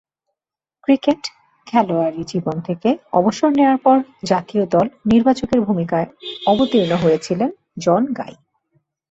Cricket খেলোয়াড়ী জীবন থেকে অবসর নেয়ার পর জাতীয় দল নির্বাচকের ভূমিকায় অবতীর্ণ হয়েছিলেন জন গাই।